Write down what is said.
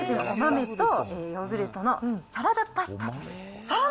お豆とヨーグルトのサラダパスタです。